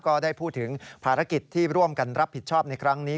ก็ได้พูดถึงภารกิจที่ร่วมกันรับผิดชอบในครั้งนี้